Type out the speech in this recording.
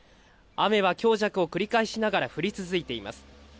雨は強弱を繰り返しながら降り続いています。